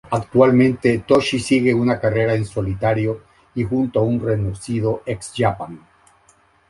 Actualmente Toshi sigue una carrera en solitario y junto a un renacido X-Japan.